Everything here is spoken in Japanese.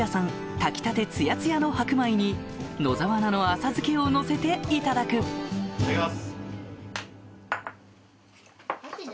炊きたてツヤツヤの白米に野沢菜の浅漬けをのせていただくいただきます。